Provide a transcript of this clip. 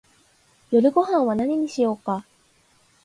夜ごはんは何にしようか